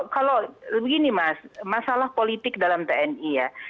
kalau begini mas masalah politik dalam tni ya